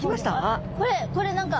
これこれ何か。